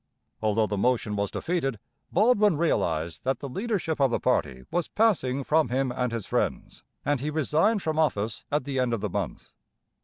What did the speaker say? Although the motion was defeated Baldwin realized that the leadership of the party was passing from him and his friends, and he resigned from office at the end of the month.